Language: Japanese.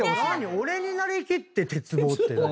俺になり切って鉄棒って何？